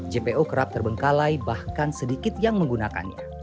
jpo kerap terbengkalai bahkan sedikit yang menggunakannya